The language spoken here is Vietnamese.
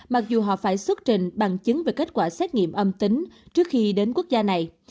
mặc dù họ phải xuất trình bằng chứng về kết quả xét nghiệm âm tính trước khi đến quốc gia này